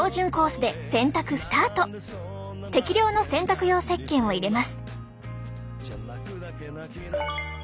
適量の洗濯用せっけんを入れます。